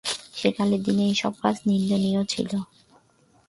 সেকালের দিনে এসব কাজ নিন্দনীয় ছিল।